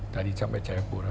dari jambai jayapura